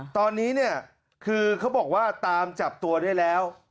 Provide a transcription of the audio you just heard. ตอนนี้เนี่ยคือเขาบอกว่าตามจับตัวได้แล้ว